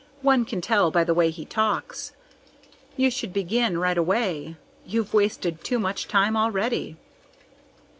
One can tell by the way he talks. You should begin right away. You've wasted too much time already."